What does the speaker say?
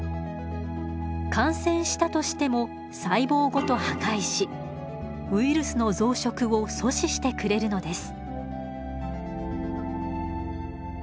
感染したとしても細胞ごと破壊しウイルスの増殖を阻止してくれるのです。